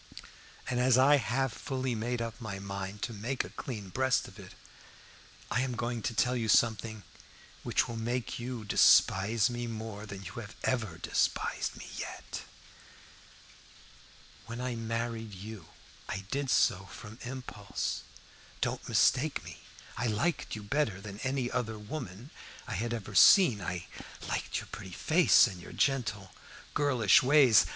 And as I have fully made up my mind to make a clean breast of it, I am going to tell you something which will make you despise me more than you ever despised me yet. When I married you I did so from impulse. Don't mistake me. I liked you better than any other woman I had ever seen. I liked your pretty face, and your gentle, girlish ways.